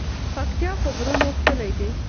پکتيا په غرونو ښکلی ده.